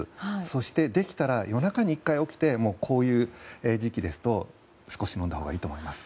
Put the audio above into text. そして、できたら夜中に１回起きてこういう時期ですと少し飲んだほうがいいと思います。